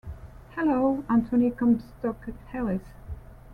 Hello, Anthony Comstock Ellis.